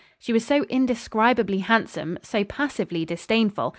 She was so indescribably handsome so passively disdainful.